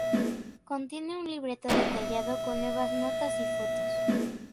Contiene un libreto detallado con nuevas notas y fotos.